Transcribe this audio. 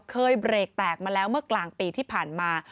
เบรกแตกมาแล้วเมื่อกลางปีที่ผ่านมา